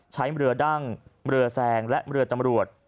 ใช้เมลอดั้งเมลอแสงและเมลอตำรวจ